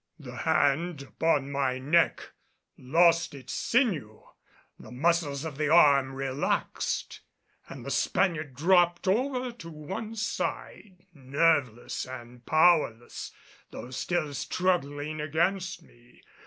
The hand upon my neck lost its sinew, the muscles of the arm relaxed and the Spaniard dropped over to one side nerveless and powerless though still struggling against me.